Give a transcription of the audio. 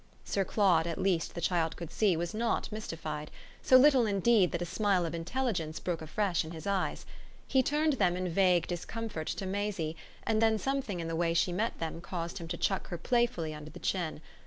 Sir Claude at least, the child could see, was not mystified; so little indeed that a smile of intelligence broke afresh in his eyes. He turned them in vague discomfort to Maisie, and then something in the way she met them caused him to chuck her playfully under the chin.